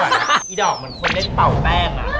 อีดอกเหมือนคนเล่นเป่าแป้ง